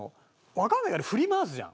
わかんないあれ振り回すじゃん。